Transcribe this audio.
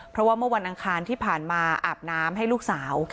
เพราะว่าเมื่อวันอังคารที่ผ่านมาอาบน้ำให้ลูกสาว